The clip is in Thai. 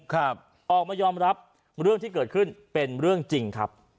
ครับออกมายอมรับเรื่องที่เกิดขึ้นเป็นเรื่องจริงครับ